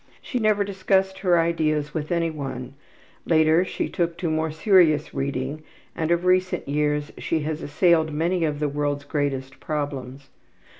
She never discussed her ideas with any one. Later she took to more serious reading, and of recent years she has assailed many of the world's greatest problems.